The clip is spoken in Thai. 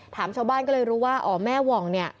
ชาวบ้านก็เลยรู้ว่าอ๋อแม่หว่องเนี่ย